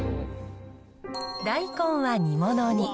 大根は煮物に。